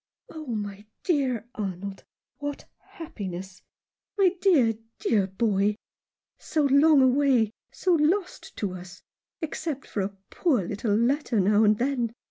"Oh, my dear Arnold, what happiness! My dear, dear boy ! So long away — so lost to us — except for a poor little letter now and then.